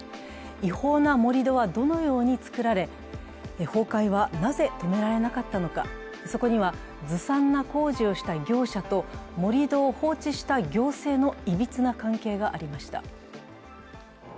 違法な盛り土はどのように造られ崩壊はなぜ止められなかったのか、そこにはずさんな工事をした業者と盛り土を放置した行政のいびつな関係がありました。